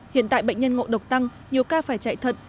hiện tại bệnh nhân ngộ độc tăng nhiều ca phải chạy thận